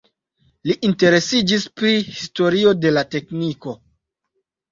Li interesiĝis pri historio de la tekniko.